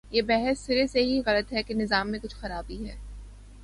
یہ بحث سرے سے ہی غلط ہے کہ نظام میں کچھ خرابی ہے۔